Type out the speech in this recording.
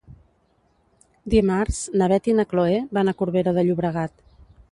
Dimarts na Beth i na Chloé van a Corbera de Llobregat.